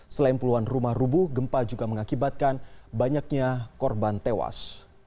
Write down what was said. selain puluhan rumah rubuh gempa juga mengakibatkan banyaknya korban tewas